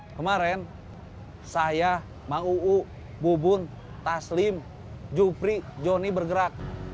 kemarin saya ma uu bu bun taslim jupri joni bergerak